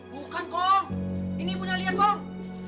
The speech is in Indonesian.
bukan kong ini ibunya lia kong